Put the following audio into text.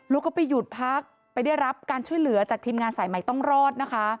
แล้วก็ไปหยุดพักไปได้รับการช่วยเหลือจากทีมงานสายใหม่ต้องรอดนะคะ